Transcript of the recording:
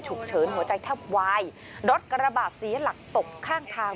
ฉุกเฉินหัวใจแทบวายรถกระบาดเสียหลักตกข้างทาง